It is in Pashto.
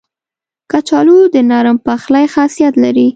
کچالو د نرم پخلي خاصیت لري